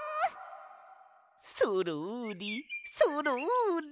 そろりそろり。